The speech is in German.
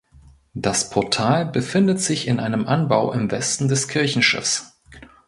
Das Portal befindet sich in einem Anbau im Westen des Kirchenschiffs.